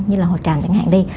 như là hồ tràm chẳng hạn đi